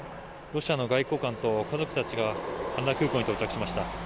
ロシアの外交官と家族たちが羽田空港に到着しました。